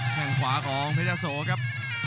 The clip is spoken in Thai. แค่งขวาของเพชรยะโสครับ